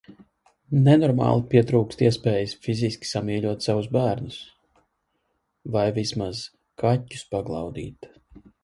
Nenormāli pietrūkst iespējas fiziski samīļot savus bērnus... Vai vismaz kaķus paglaudīt...